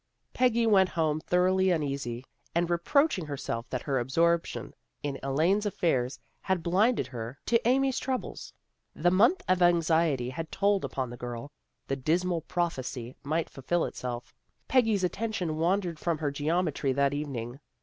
Peggy went home thoroughly uneasy, and reproaching herself that her absorption in Elaine's affairs had blinded her to Amy's 306 THE GIRLS OF FRIENDLY TERRACE troubles. The month of anxiety had told upon the girl. The dismal prophecy might fulfil itself. Peggy's attention wandered from her geometry that evening.